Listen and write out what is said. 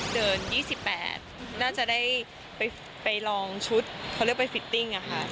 เดิน๒๘นน่าจะได้ไปลองชุดเขาเลือกไปฟิตติ้งค่ะ